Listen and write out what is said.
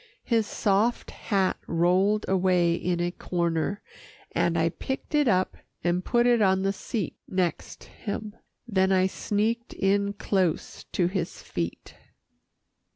His soft hat rolled away in a corner, and I picked it up and put it on the seat next him. Then I sneaked in close to his feet.